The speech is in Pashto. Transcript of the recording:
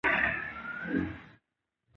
مس د افغانستان د شنو سیمو ښکلا ده.